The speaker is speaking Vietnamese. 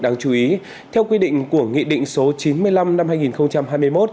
đáng chú ý theo quy định của nghị định số chín mươi năm năm hai nghìn hai mươi một